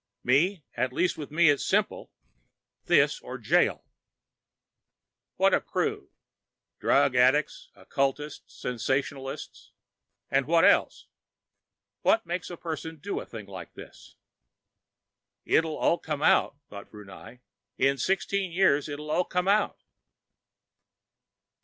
Me, at least with me it's simple this or jail. What a crew! Drug addicts, occultists, sensationalists ... and what else? What makes a person do a thing like this? It'll all come out, thought Brunei. In sixteen years, it'll all come out.